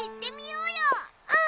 うん！